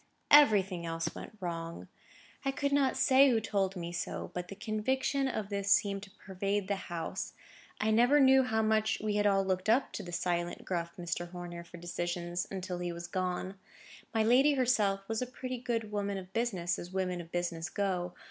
Everything else went wrong. I could not say who told me so—but the conviction of this seemed to pervade the house. I never knew how much we had all looked up to the silent, gruff Mr. Horner for decisions, until he was gone. My lady herself was a pretty good woman of business, as women of business go.